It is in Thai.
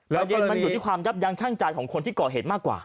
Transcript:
และมันอยู่ที่ความยับยังช่างจัดของคนที่เกาะเหตุมากกว่า